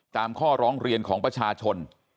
ตามข้อร้องเรียนของประชาชน